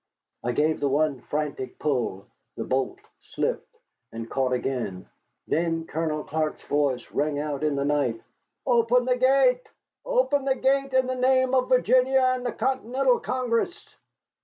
I gave the one frantic pull, the bolt slipped, and caught again. Then Colonel Clark's voice rang out in the night: "Open the gate! Open the gate in the name of Virginia and the Continental Congress!"